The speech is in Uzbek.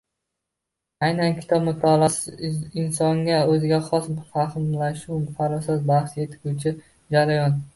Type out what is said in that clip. Aynan kitob mutolaasi insonga o‘ziga xos fahmlashu farosat baxsh etguvchi jarayon